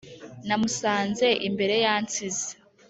Namusanze imbere yansize